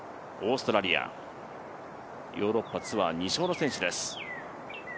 オーストラリア、ヨーロッパツアー２勝の選手です。